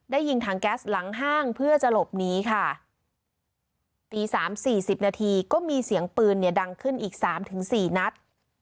ยิงถังแก๊สหลังห้างเพื่อจะหลบหนีค่ะตีสามสี่สิบนาทีก็มีเสียงปืนเนี่ยดังขึ้นอีกสามถึงสี่นัด